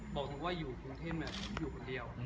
บอกว่าอยู่กรุงเทพอยู่คนเดียว